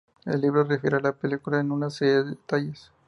El libro difiere de la película en una serie de detalles.